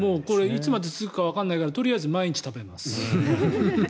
いつまで続くかわからないからとりあえず毎日食べます。